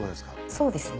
そうですね。